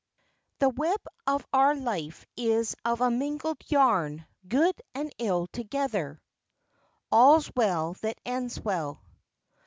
"The web of our life is of a mingled yarn, good and ill together." _All's Well that Ends Well.